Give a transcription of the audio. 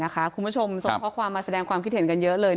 คุณผู้ชมส่งข้อความมาแสดงความคิดเห็นกันเยอะเลย